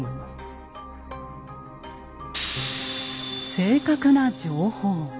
正確な情報。